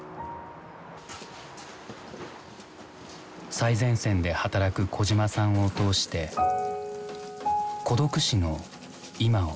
最前線で働く小島さんを通して孤独死の今を見つめる。